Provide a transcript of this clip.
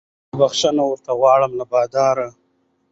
زه بخښنه ورته غواړم له باداره